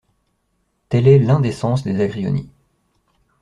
Tel est l’un des sens des Agrionies.